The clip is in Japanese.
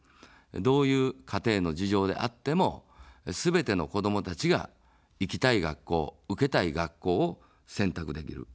どういう家庭の事情であっても、すべての子どもたちが行きたい学校、受けたい学校を選択できる。